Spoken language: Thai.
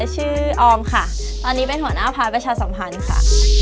ชื่อออมค่ะตอนนี้เป็นหัวหน้าพักประชาสัมพันธ์ค่ะ